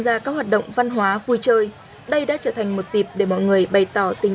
gia các hoạt động văn hóa vui chơi đây đã trở thành một dịp để mọi người bày tỏ tình